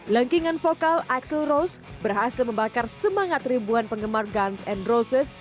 langkingan vokal axl rose berhasil membakar semangat ribuan penggemar guns n' roses